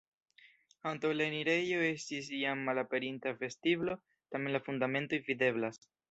Antaŭ la enirejo estis jam malaperinta vestiblo, tamen la fundamentoj videblas.